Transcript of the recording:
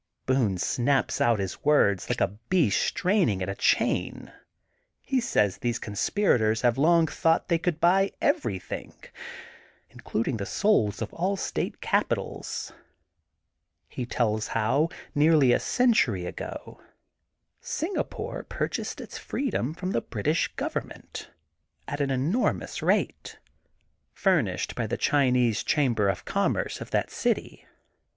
Boone snaps out his words like a beast strain ing at a chain. He says these conspirators have long thought they could buy everything, includ ing the souls of all state capitals. He tells how, nearly a century ago, Singapore pur chased its freedom from the British Govern ment at an enormous fee, furnished by the Chinese Chamber of Commerce of that city.